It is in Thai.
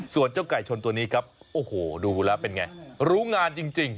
ส่วนเจ้าไก่ชนตัวนี้ครับโอ้โหดูแล้วเป็นไงรู้งานจริง